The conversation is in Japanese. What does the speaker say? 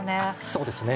そうですね。